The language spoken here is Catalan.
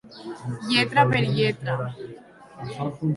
Lletra per lletra.